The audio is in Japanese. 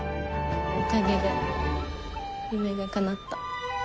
おかげで夢がかなった。